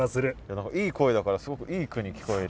何かいい声だからすごくいい句に聞こえる。